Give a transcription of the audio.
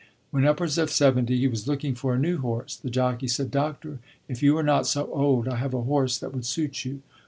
When upwards of seventy, he was looking for a new horse. The jockey said, "Doctor, if you were not so old, I have a horse that would suit you."